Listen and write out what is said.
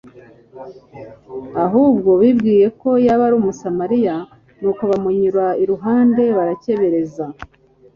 ahubwo bibwiye ko yaba ari umusamaliya, nuko bamunyura iruhande barakebereza.